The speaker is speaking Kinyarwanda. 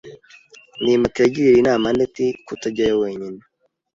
ndimbati yagiriye inama anet kutajyayo wenyine.